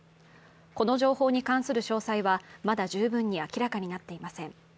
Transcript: この情報に関する詳細はまだ十分に明らかになっていません。